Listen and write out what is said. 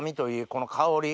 この香り。